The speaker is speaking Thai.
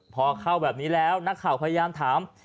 พอเข้าแบบนี้แล้วนักข่าวพยายามถาม